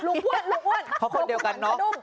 ลุงอ้วนเพราะคนเดียวกันน้อง